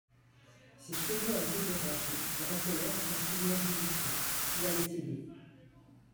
Ses cheveux un peu dérangés lui rappelèrent un souvenir délicieux … Il allait céder.